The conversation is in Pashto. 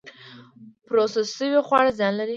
پروسس شوي خواړه زیان لري